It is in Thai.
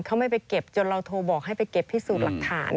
เขาไม่ไปเก็บจนเราโทรบอกให้ไปเก็บพิสูจน์หลักฐาน